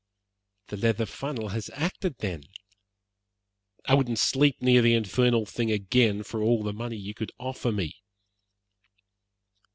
"The leather funnel has acted, then?" "I wouldn't sleep near the infernal thing again for all the money you could offer me."